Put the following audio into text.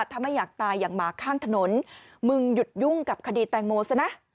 ถ้าไม่อยากตายอย่างหมาข้างถนนมึงหยุดยุ่งกับคดีแตงโมซะนะ